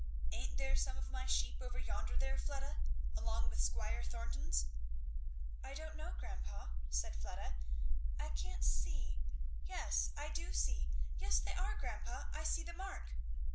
"Ain't there some of my sheep over yonder there, Fleda, along with Squire Thornton's?" "I don't know, grandpa," said Fleda, "I can't see yes, I do see yes, they are, grandpa; I see the mark."